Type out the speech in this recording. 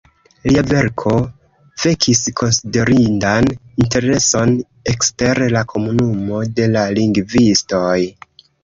Lia verko vekis konsiderindan intereson ekster la komunumo de la lingvistoj.